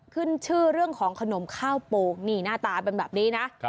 ขึ้นชื่อเรื่องของขนมข้าวโป่งนี่หน้าตาเป็นแบบนี้นะ